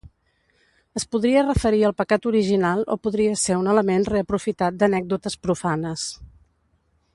Es podria referir al pecat original o podria ser un element reaprofitat d'anècdotes profanes.